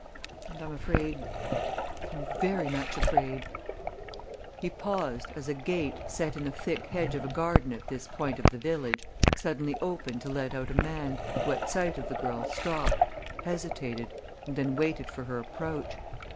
And I'm afraid, I'm very much afraid " He paused, as a gate, set in the thick hedge of a garden at this point of the village, suddenly opened to let out a man, who at sight of the girl stopped, hesitated, and then waited for her approach.